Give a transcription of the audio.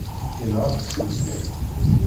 Yenɣa-t s tmeẓyant.